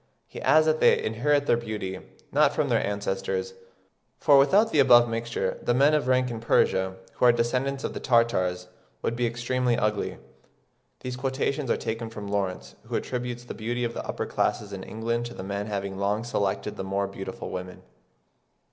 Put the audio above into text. He adds that they inherit their beauty, "not from their ancestors, for without the above mixture, the men of rank in Persia, who are descendants of the Tartars, would be extremely ugly." (2. These quotations are taken from Lawrence ('Lectures on Physiology,' etc., 1822, p. 393), who attributes the beauty of the upper classes in England to the men having long selected the more beautiful women.)